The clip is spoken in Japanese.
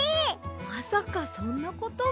まさかそんなことが。